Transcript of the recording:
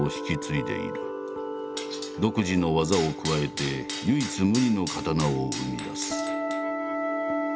独自の技を加えて唯一無二の刀を生み出す。